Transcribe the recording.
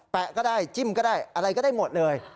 ก็ได้จิ้มก็ได้อะไรก็ได้หมดเลย